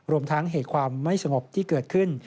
รวมทั้งเหตุความไม่สงบที่เกิดขึ้น